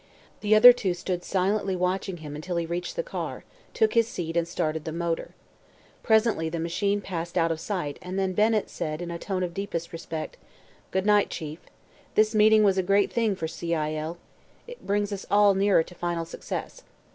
The other two stood silently watching him until he reached the car, took his seat and started the motor. Presently the machine passed out of sight and then Bennett said in a tone of deepest respect: "Good night, Chief. This meeting was a great thing for C. I. L. It brings us all nearer to final success."